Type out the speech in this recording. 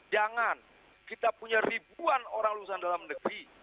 jangan kita punya ribuan orang lulusan dalam negeri